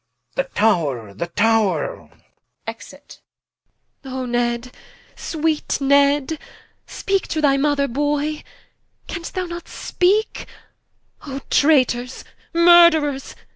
Rich. Tower, the Tower. Enter. Qu. Oh Ned, sweet Ned, speake to thy Mother Boy. Can'st thou not speake? O Traitors, Murtherers!